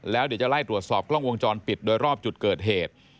แล้วเดี๋ยวจะไล่ตรวจสอบกล้องวงจรปิดโดยรอบจุดเกิดเหตุ